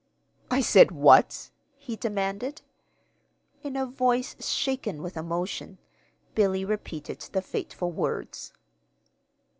"I said what?" he demanded. In a voice shaken with emotion, Billy repeated the fateful words.